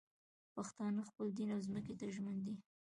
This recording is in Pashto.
پښتانه خپل دین او ځمکې ته ژمن دي